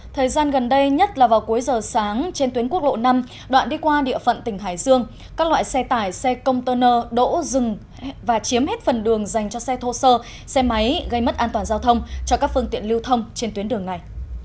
thời gian gần đây nhất là vào cuối giờ sáng trên tuyến quốc lộ năm đoạn đi qua địa phận tỉnh hải dương các loại xe tải xe container đỗ dừng và chiếm hết phần đường dành cho xe thô sơ xe máy gây mất an toàn giao thông cho các phương tiện lưu thông trên tuyến đường này